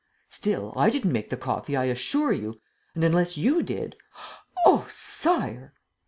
"Still, I didn't make the coffee, I assure you. ... And, unless you did. ..." "Oh, Sire!"